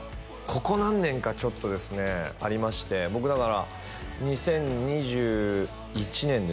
ここ何年かちょっとですねありまして僕だから２０２１年ですかね